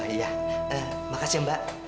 iya makasih mbak